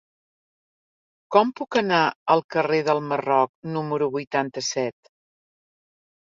Com puc anar al carrer del Marroc número vuitanta-set?